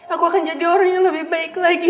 aku akan jadi orang yang lebih baik lagi